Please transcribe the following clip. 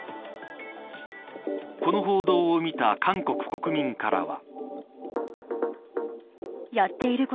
この報道を見た韓国国民からは。